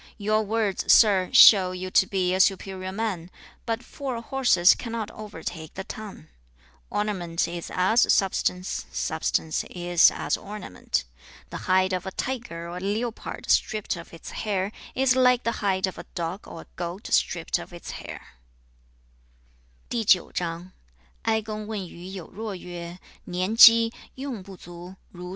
Your words, sir, show you to be a superior man, but four horses cannot overtake the tongue. 3. Ornament is as substance; substance is as ornament. The hide of a tiger or a leopard stripped of its hair, is like the hide of a dog or a goat stripped of its hair.'